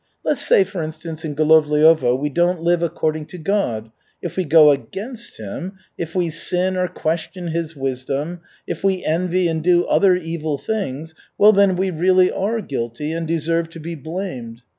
Let's say, for instance, in Golovliovo we don't live according to God, if we go against Him, if we sin or question His wisdom, if we envy and do other evil things, well, then we are really guilty and deserve to be blamed.